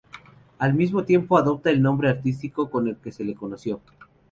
Al mismo tiempo adopta el nombre artístico con que se le conoció.